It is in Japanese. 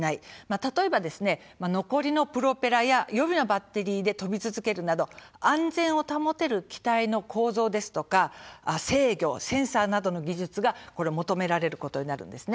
例えば、残りのプロペラや予備のバッテリーで飛び続けるなど安全を保てる機体の構造ですとか制御、センサーなどの技術が求められることになるんです。